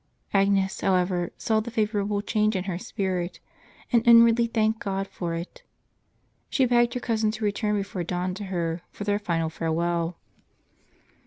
Agnes, however, saw the favorable change in her spirit, and inwardly thanked God for it. She begged her cousin to return before dawn to her, for their final farewell.